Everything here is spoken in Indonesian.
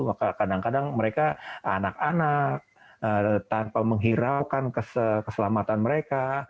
maka kadang kadang mereka anak anak tanpa menghiraukan keselamatan mereka